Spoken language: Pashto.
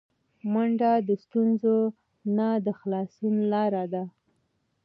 منډه د ستونزو نه د خلاصون لاره ده